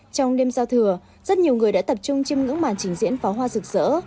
trong đêm giao thừa rất nhiều người đã tập trung chìm ngưỡng màn trình diễn phó hoa rực rỡ